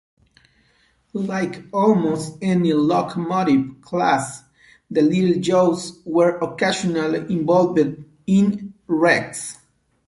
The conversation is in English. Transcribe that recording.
Like almost any locomotive class, the Little Joes were occasionally involved in wrecks.